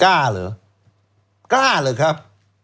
กล้าเหรอกล้าเหรอครับ